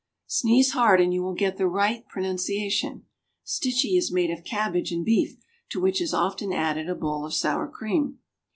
Sneeze hard and you will get the right pronuncia tion ! Stchee is made of cabbage and beef, to which is often added a bowl of sour cream.